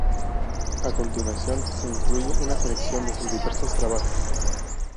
A continuación de incluye una selección de sus diversos trabajos.